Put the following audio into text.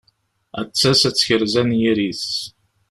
Ad d-tas ad tekrez anyir-is.